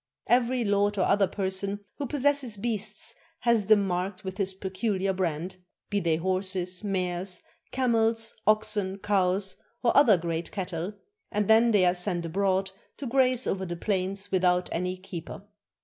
Every lord or other person who possesses beasts has them marked with his peculiar brand, be they horses, mares, camels, oxen, cows, or other great cattle, and then they are sent abroad to graze over the plains without any keeper.